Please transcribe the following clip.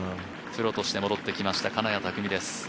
プロとして戻ってきました、金谷拓実です。